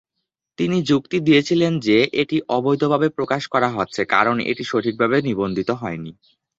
তিনি যুক্তি দিয়েছিলেন যে, এটি অবৈধভাবে প্রকাশ করা হচ্ছে কারণ এটি সঠিকভাবে নিবন্ধিত হয়নি।